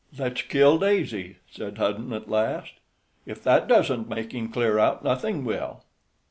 "Let's kill Daisy," said Hudden at last; "if that doesn't make him clear out, nothing will."